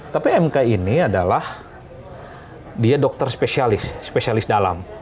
tapi mk ini adalah dia dokter spesialis spesialis dalam